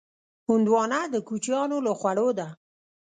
هندوانه د کوچیانو له خوړو ده.